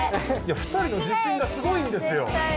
２人の自しんがすごいんですよ。